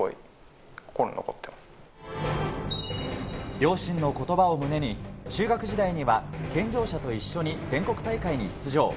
両親の言葉を胸に中学時代には健常者と一緒に全国大会に出場。